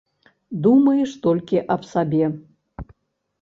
Думаеш толькі аб сабе.